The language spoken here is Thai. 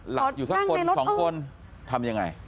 หลับอยู่สักคนสองคนทำยังไง